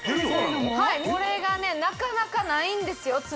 はいこれがねなかなかないんですよ